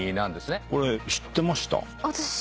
これ知ってました？